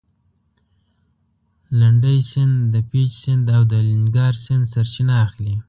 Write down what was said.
لنډی سیند د پېج سیند او د الینګار سیند سرچینه اخلي.